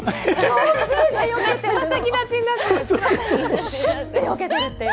つま先立ちになってる。